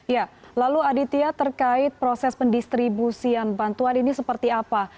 ya lalu aditya terkait proses pendistribusian bantuan ini seperti apa